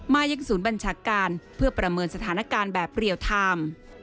ยังศูนย์บัญชาการเพื่อประเมินสถานการณ์แบบเรียลไทม์